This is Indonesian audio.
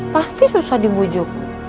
pasti susah dibujuk